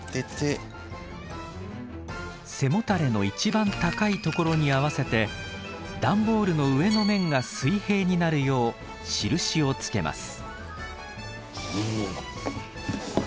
背もたれの一番高いところに合わせて段ボールの上の面が水平になるよう印をつけます。